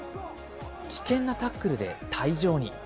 危険なタックルで退場に。